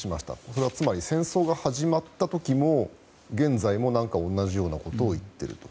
それはつまり戦争が始まった時も現在も同じようなことを言っていると。